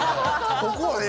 ここはえ